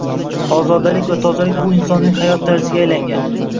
Ozodalik va tozalik bu insonlarning hayot tarziga aylangan